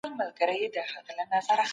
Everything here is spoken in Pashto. سازمانونو به نړیوال اصول منل.